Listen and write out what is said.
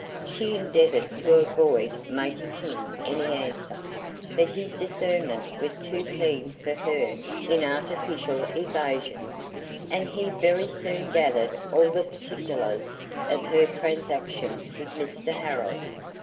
She endeavoured to avoid making him any answer, but his discernment was too keen for her inartificial evasion, and he very soon gathered all the particulars of her transactions with Mr Harrel.